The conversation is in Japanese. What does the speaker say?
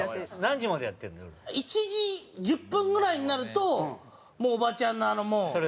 １時１０分ぐらいになるともうおばちゃんのあのもう。